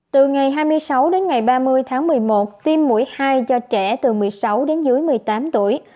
từ ngày hai mươi sáu đến ngày ba mươi tháng một mươi một tiêm mũi hai cho trẻ từ một mươi sáu đến dưới một mươi tám tuổi